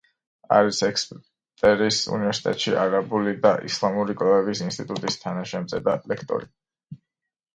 არის ექსეტერის უნივერსიტეტში არაბული და ისლამური კვლევების ინსტიტუტის თანაშემწე და ლექტორი.